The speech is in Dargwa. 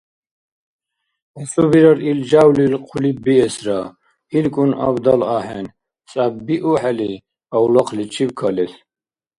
Асубирар, ил жявлил хъулиб биэсра: илкӀун абдал ахӀен, цӀяббиухӀели авлахъличиб калес…